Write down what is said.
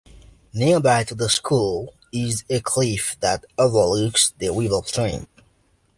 Nearby to the school is a cliff that overlooks the River Trent.